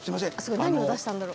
何を出したんだろう？